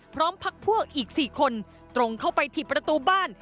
พร้อมพักพั่วอีกสี่คนตรงเข้าไปถิบประตูบ้าน